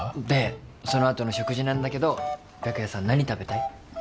でそのあとの食事なんだけど白夜さん何食べたい？